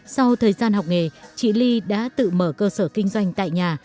sau thời gian học nghề chị ly đã tự mở cơ sở kinh doanh tại nhà